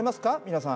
皆さん。